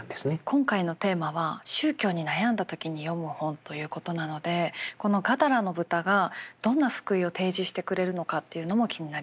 今回のテーマは「宗教に悩んだ時に読む本」ということなのでこの「ガダラの豚」がどんな救いを提示してくれるのかっていうのも気になります。